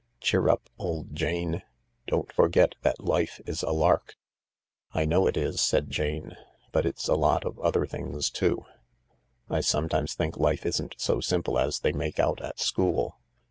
Cheer up, old Jane ; don't forget that life is a lark I "" I know it is," said Jane, " but it's a lot of other things too. I sometimes think life isn't so simple as they make out at school.